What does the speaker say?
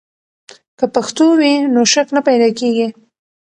که پښتو وي، نو شک نه پیدا کیږي.